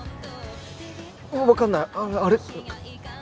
分かんないあれ？